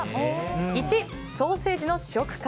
１、ソーセージの試食会